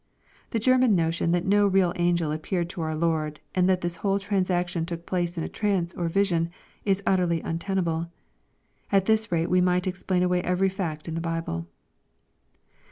The German notion that no real angel appeared to our Lord, and that this whole transaction took place in a trance or vision, is utterly untenable. At this rate we might explain away every fact in the Bible.